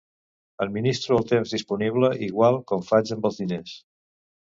Administro el temps disponible igual com faig amb els diners.